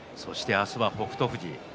明日は北勝富士。